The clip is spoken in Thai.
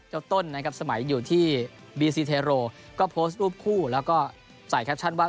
ต้นนะครับสมัยอยู่ที่บีซีเทโรก็โพสต์รูปคู่แล้วก็ใส่แคปชั่นว่า